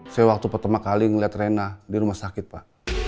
saya waktu pertama kali ngeliat rena di rumah sakit pak